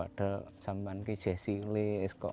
pada saat itu saya sudah kecil